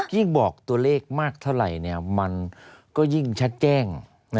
ยิ่งบอกตัวเลขมากเท่าไหร่มันก็ยิ่งชัดแจ้ง